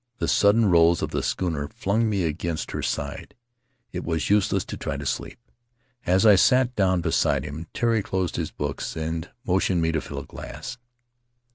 The sudden rolls of the schooner flung me against her side; it was useless to try to sleep. As I sat down beside him, Tari closed his books and motioned me to fill a glass.